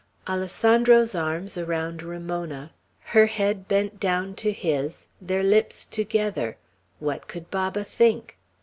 Alessandro's arms around Ramona, her head bent down to his, their lips together, what could Baba think?